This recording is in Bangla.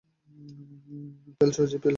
পেল ও সহযোগী পেল সংখ্যাগুলি লুকাস ধারার অন্তর্গত।